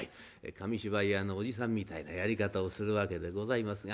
紙芝居屋のおじさんみたいなやり方をするわけでございますが。